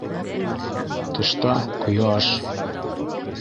Тышта - ҡояш.